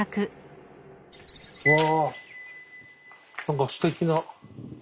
うわ何かすてきな。